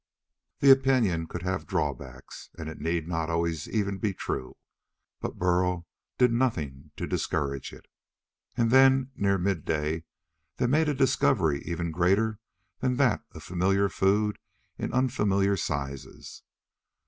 The opinion could have drawbacks, and it need not be always even true, but Burl did nothing to discourage it. And then, near midday, they made a discovery even greater than that of familiar food in unfamiliar sizes.